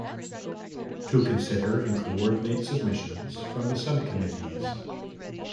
To consider and coordinate submissions from the sub-committees.